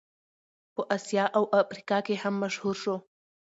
په اسیا او افریقا کې هم مشهور شو.